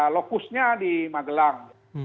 lokusnya di magelang